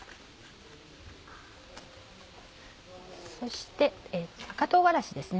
そして赤唐辛子ですね。